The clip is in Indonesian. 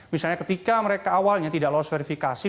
misalnya ketika mereka awalnya tidak lolos verifikasi